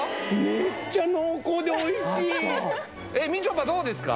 めっちゃ濃厚でおいしいあそうみちょぱどうですか？